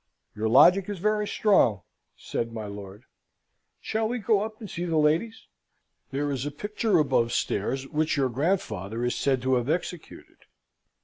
"Your logic is very strong," said my lord. "Shall we go up and see the ladies? There is a picture above stairs which your grandfather is said to have executed.